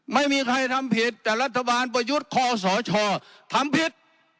ไม่มีใครทำผิดแต่รัฐบาลประยุทธ์คอสชทำผิด